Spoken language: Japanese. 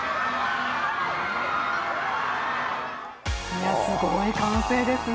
いや、すごい歓声ですね。